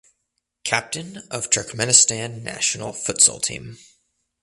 Captain of Turkmenistan national futsal team.